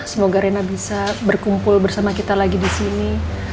semoga rina bisa berkumpul bersama kita lagi disini